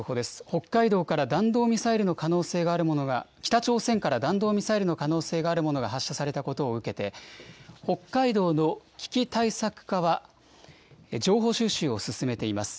北海道から弾道ミサイルの可能性があるものが、北朝鮮から弾道ミサイルの可能性があるものが発射されたことを受けて、北海道の危機対策課は、情報収集を進めています。